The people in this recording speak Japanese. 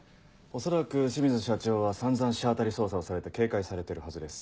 恐らく清水社長は散々車当たり捜査をされて警戒されてるはずです。